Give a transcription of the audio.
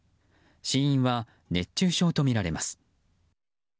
死因は熱中症とみられます。